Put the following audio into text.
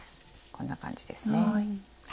こんな感じですね。